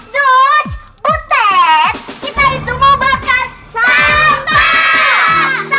dus butet kita itu mau bakar sampah